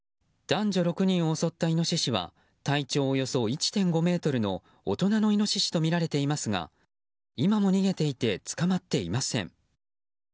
男女６人を襲ったイノシシは体長およそ１．５ｍの大人のイノシシとみられていますが今も逃げていてつかまっていません。